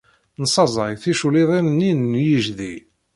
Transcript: Nessaẓey ticulliḍin-nni n yejdi.